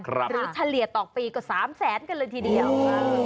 หรือทะเลียต่อปีกว่า๓๐๐๐๐๐กันเลยทีเดียว